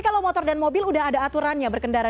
kalau motor dan mobil udah ada aturannya berkendara